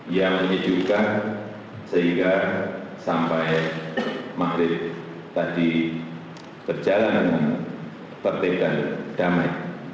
yang menyejukkan sehingga sampai maghrib tadi berjalan dengan tertib dan damai